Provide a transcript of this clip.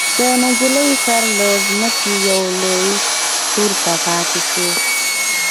د نجلۍ سر له ځمکې يوه لوېشت پورته پاتې شو.